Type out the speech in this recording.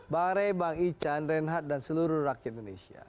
bang ray bang ican renhad dan seluruh rakyat indonesia